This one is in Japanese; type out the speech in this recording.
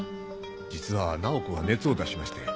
実は菜穂子が熱を出しまして。